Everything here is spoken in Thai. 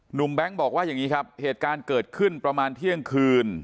แบงค์บอกว่าอย่างนี้ครับเหตุการณ์เกิดขึ้นประมาณเที่ยงคืน